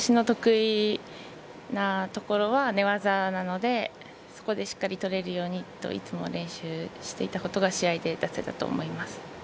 私の得意なところは寝技なので、そこでしっかり取れるようにいつも練習していたことが試合で出せたと思います。